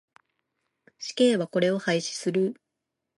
死刑はこれを廃止する。